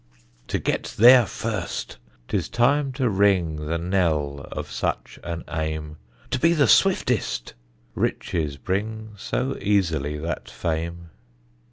To get there first! 'tis time to ring The knell of such an aim; To be the swiftest! riches bring So easily that fame.